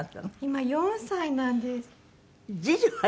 まだ４歳なんです。